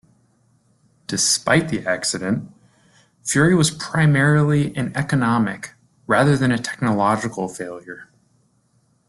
Despite the accident, Fury was primarily an economic rather than a technological failure.